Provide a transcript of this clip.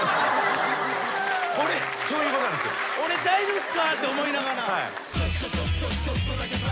「俺大丈夫っすか？」って思いながら。